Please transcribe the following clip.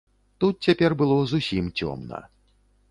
Тут цяпер было зусім цёмна.